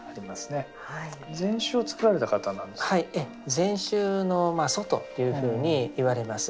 禅宗の祖というふうにいわれます。